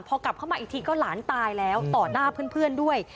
พอกลับเข้ามาอีกทีก็หลานตายแล้วต่อหน้าเพื่อนด้วย